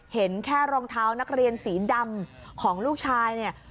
เห็นแค่รองเท้านักเรียนสีดำของลูกชายเนี่ย